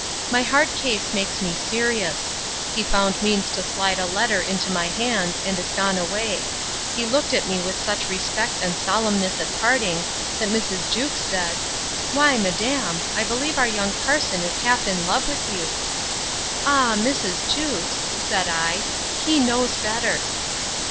—My hard case makes me serious. He found means to slide a letter into my hands, and is gone away: He looked at me with such respect and solemness at parting, that Mrs. Jewkes said, Why, madam, I believe our young parson is half in love with you.—Ah! Mrs. Jewkes, said I, he knows better.